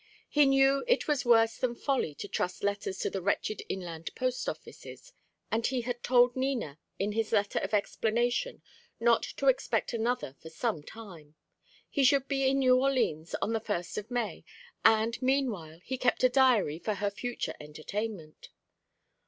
He knew it was worse than folly to trust letters to the wretched inland post offices, and he had told Nina in his letter of explanation not to expect another for some time. He should be in New Orleans on the first of May, and, meanwhile, he kept a diary for her future entertainment.